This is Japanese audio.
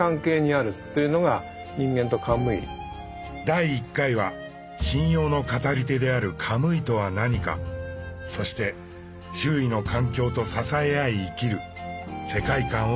第１回は神謡の語り手である「カムイ」とは何かそして周囲の環境と支え合い生きる世界観を読み解きます。